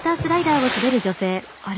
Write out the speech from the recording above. あれ？